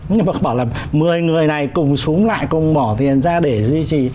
nhưng mà bảo là mười người này cùng súng lại cùng bỏ tiền ra để duy trì